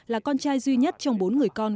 là con trai duy nhất trong bốn người con